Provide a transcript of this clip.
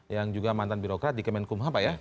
yang juga mantan birokrat di kemenkumham pak ya